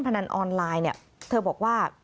พนันออนไลน์เนี่ยเธอบอกว่า